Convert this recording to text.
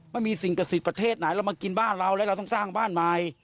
ไม่มีสิ่งศักดิ์สิทธิ์ประเทศไหนเรามากินบ้านเราแล้วเราต้องสร้างบ้านใหม่